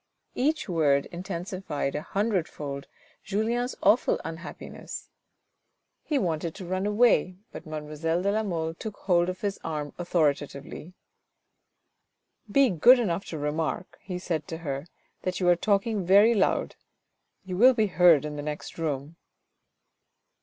Each word intensified a hundredfold Julien's awful unhappi ness. He wanted to run away, but mademoiselle de la Mole took hold of his arm authoritatively. " Be good enough to remark," he said to her, " that you are talking very loud. You will be heard in the next room."